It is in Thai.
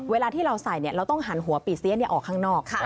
เวลาที่เราใส่เราต้องหันหัวปีเสียออกข้างนอก